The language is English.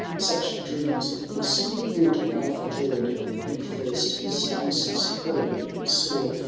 Such dreams of bliss* would Arthur draw When first his Lucy^s foran he saw